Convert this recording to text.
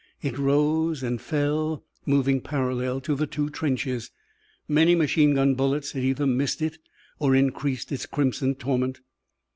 It rose and fell, moving parallel to the two trenches. Many machine gun bullets had either missed it or increased its crimson torment.